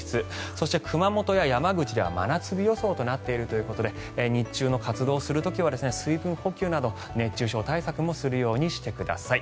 そして、熊本や山口では真夏日予想となっているということで日中の活動する時は水分補給など熱中症対策もするようにしてください。